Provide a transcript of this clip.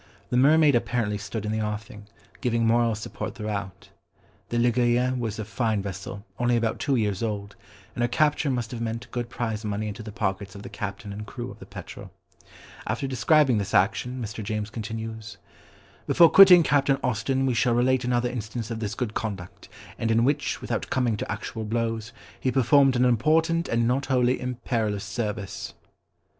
The Mermaid apparently stood in the offing, giving moral support throughout. The Ligurienne was a fine vessel, only about two years old, and her capture must have meant good prize money into the pockets of the captain and crew of the Petrel. After describing this action, Mr. James continues— "Before quitting Captain Austen we shall relate another instance of his good conduct; and in which, without coming to actual blows, he performed an important and not wholly imperilous service."